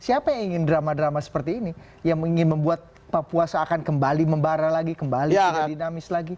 siapa yang ingin drama drama seperti ini yang ingin membuat papua seakan kembali membara lagi kembali dengan dinamis lagi